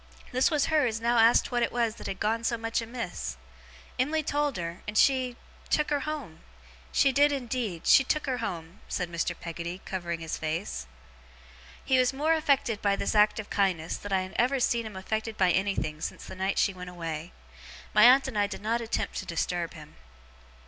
This was her as now asked what it was that had gone so much amiss. Em'ly told her, and she took her home. She did indeed. She took her home,' said Mr. Peggotty, covering his face. He was more affected by this act of kindness, than I had ever seen him affected by anything since the night she went away. My aunt and I did not attempt to disturb him.